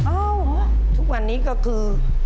อ้าวทุกวันนี้ก็คือ